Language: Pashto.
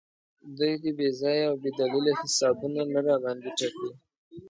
دوی دې بې ځایه او بې دلیله حسابونه نه راباندې تپي.